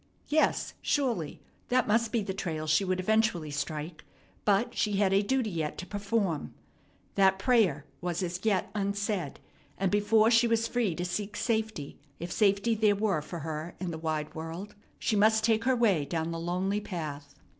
Yes, surely, that must be the trail she would eventually strike; but she had a duty yet to perform. That prayer was as yet unsaid, and before she was free to seek safety if safety there were for her in the wide world she must take her way down the lonely path.